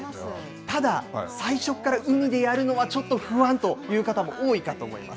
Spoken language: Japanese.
ただ、最初から海でやるのは、ちょっと不安という方も多いかと思います。